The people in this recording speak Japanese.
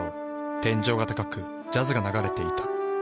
天井が高くジャズが流れていた。